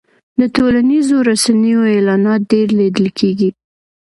د ټولنیزو رسنیو اعلانات ډېر لیدل کېږي.